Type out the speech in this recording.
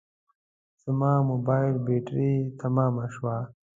زما موبایل بټري تمامه شوه